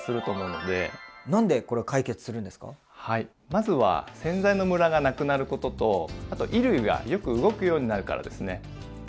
まずは洗剤のムラがなくなることとあと衣類がよく動くようになるからですね。